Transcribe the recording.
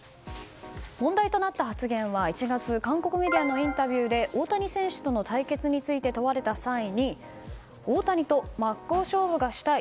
問題となった発言は１月韓国メディアのインタビューで大谷選手との対決について問われた際に大谷と真っ向勝負がしたい。